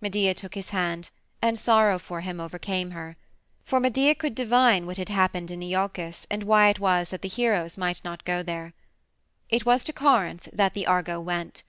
Medea took his hand, and sorrow for him overcame her. For Medea could divine what had happened in Iolcus and why it was that the heroes might not go there. It was to Corinth that the Argo went.